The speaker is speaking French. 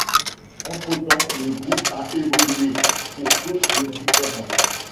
Entre temps, le groupe a évolué pour cause de différends.